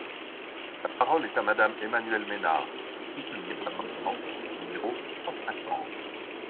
La parole est à Madame Emmanuelle Ménard, pour soutenir l’amendement numéro cent cinquante.